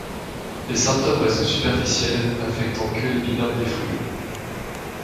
Les symptômes restent superficiels, n'affectant que l'épiderme des fruits.